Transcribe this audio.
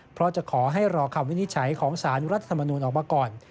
เพราะจะขอให้รอคำวินิจฉัยของสารรัฐธรรมนูลออกมาก่อน